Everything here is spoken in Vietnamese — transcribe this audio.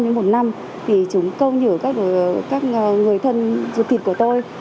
nhưng một năm thì chúng câu nhử các người thân ruột thịt của tôi